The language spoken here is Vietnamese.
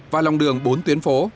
và lòng đường bốn tuyến phố